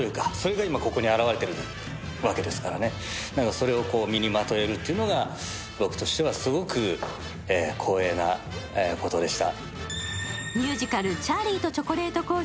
それを身にまとえるということは僕としてはすごく光栄なことでした。